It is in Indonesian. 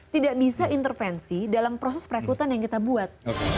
tidak bisa intervensi dalam proses perekrutan yang kita buat